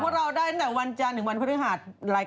ต่อพวกเราได้จากวันจานถึงวันพฤหาส